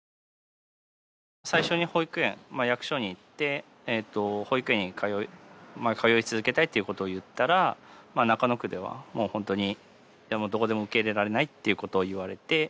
最初に保育園役所に行って保育園に通い続けたいっていうことを言ったら中野区ではもう本当にどこでも受け入れられないっていうことを言われて。